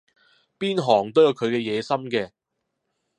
邊行都有佢嘅野心嘅